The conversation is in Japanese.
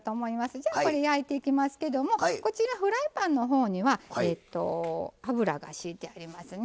じゃあこれ焼いていきますけどもこちらフライパンのほうには油がしいてありますね。